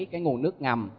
cái nguồn nước ngầm